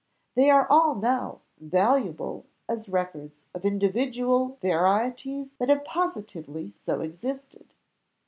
They are all now valuable as records of individual varieties that have positively so existed.